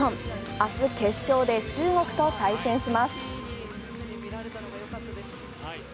明日決勝で中国と対戦します。